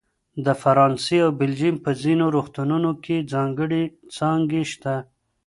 د فرانسه او بلجیم په ځینو روغتونونو کې ځانګړې څانګې شته.